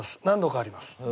何度かあります。